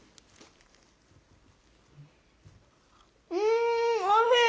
んおいしい！